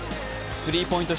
スリーポイント